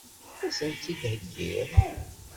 Ad sen-t-id-theggiḍ?